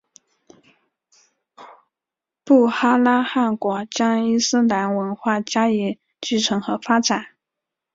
布哈拉汗国将伊斯兰文化加以继承和发展。